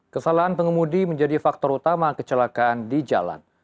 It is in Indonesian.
kesalahan pengemudi menjadi faktor utama kecelakaan di jalan